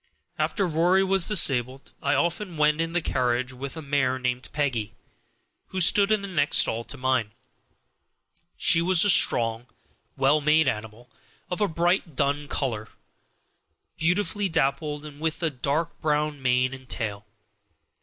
After Rory was disabled I often went in the carriage with a mare named Peggy, who stood in the next stall to mine. She was a strong, well made animal, of a bright dun color, beautifully dappled, and with a dark brown mane and tail.